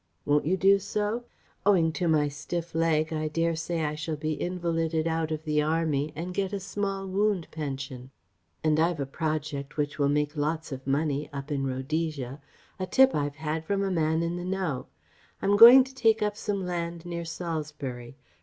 Won't you do so? Owing to my stiff leg I dare say I shall be invalided out of the Army and get a small wound pension. And I've a project which will make lots of money up in Rhodesia a tip I've had from a man in the know. I'm going to take up some land near Salisbury.